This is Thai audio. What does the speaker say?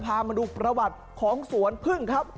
พามาดูประวัติของสวนพึ่งครับ